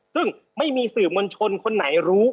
ซึ่งไม่มีสื่อมวลชนคนไหนรู้